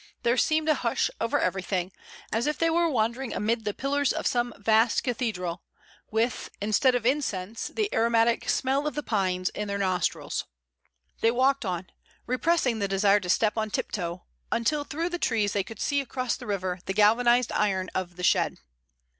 There seemed a hush over everything, as if they were wandering amid the pillars of some vast cathedral with, instead of incense, the aromatic smell of the pines in their nostrils. They walked on, repressing the desire to step on tiptoe, until through the trees they could see across the river the galvanized iron of the shed.